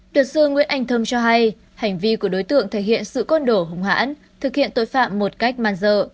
được sư nguyễn anh thâm cho hay hành vi của đối tượng thể hiện sự con đổ hùng hãn thực hiện tội phạm một cách man dợ